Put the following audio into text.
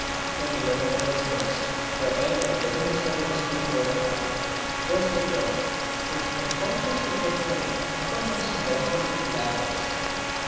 That we were not prisoners for ever within a solid stone wall of life was the thought which unconsciously kept coming uppermost in rushes of gladness.